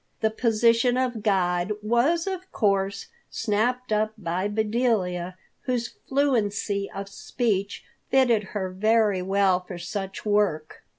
The position of guide was, of course, snapped up by Bedelia, whose fluency of speech fitted her very well for such work.